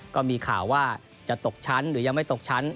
ก็มีข่าวว่าจะตกชั้นหรือยังไม่ตกชั้น